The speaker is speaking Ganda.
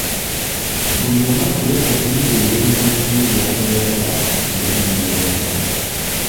Buli omu afube okuyiga ebintu munne by’atayagala era ne byayagala.